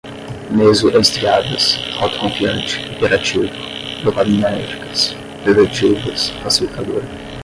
meso-estriadas, autoconfiante, hiperativo, dopaminérgicas, pervertidas, facilitadora